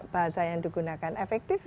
bahasa yang digunakan efektif